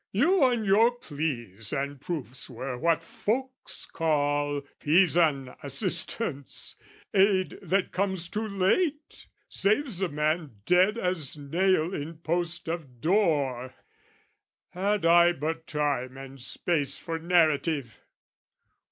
"You and your pleas and proofs were what folks call "Pisan assistance, aid that comes too late, "Saves a man dead as nail in post of door. "Had I but time and space for narrative!